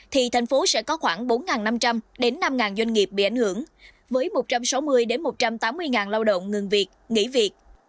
thì thành phố sẽ có khoảng bốn năm trăm linh đến năm doanh nghiệp bị ảnh hưởng với một trăm sáu mươi một trăm tám mươi lao động ngừng việc nghỉ việc